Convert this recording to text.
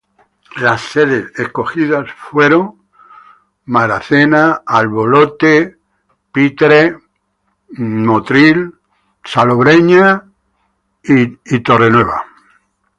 Las sedes escogidas fueron: Edmonton, Moncton, Montreal, Ottawa, Vancouver, y Winnipeg.